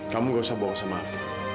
kamu gak usah bawa sama aku